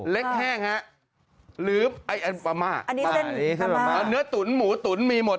เล็กแห้งฮะหรืออันนี้เป็นอัมมาอันนี้เป็นอัมมาเนื้อตุ๋นหมูตุ๋นมีหมด